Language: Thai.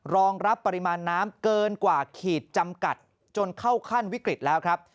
รองรับปริมาณน้ำเกินกว่าขีดจำกัดจนเข้าขั้นวิกฤตแล้วครับ